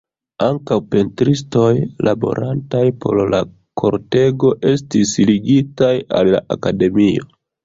Ankaŭ pentristoj laborantaj por la kortego estis ligitaj al la akademio.